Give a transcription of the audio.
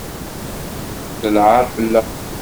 D lɛaṛ fell-aɣ.